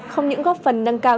không những góp phần nâng cao